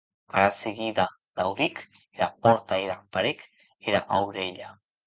Ara seguida dauric era pòrta e parèc era aurelha.